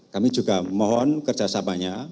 kami juga mohon kerjasamanya